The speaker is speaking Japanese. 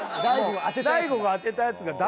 大悟が当てたやつだ。